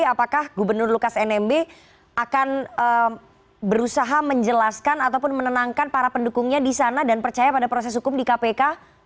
apakah gubernur lukas nmb akan berusaha menjelaskan ataupun menenangkan para pendukungnya di sana dan percaya pada proses hukum di kpk